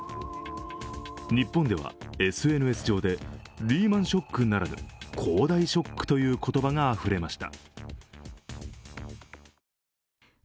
日本では、ＳＮＳ上でリーマン・ショックならぬ恒大ショックという言葉があふれました。